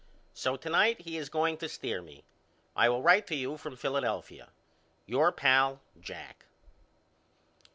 So to night he is going to stear me. I will write to you from Philadelphia. Your pal, JACK.